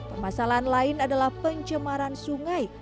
permasalahan lain adalah pencemaran sungai